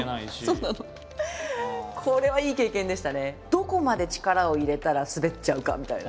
どこまで力を入れたら滑っちゃうかみたいな。